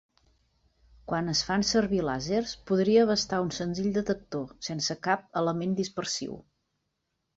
Quan es fan servir làsers, podria bastar un senzill detector, sense cap element dispersiu.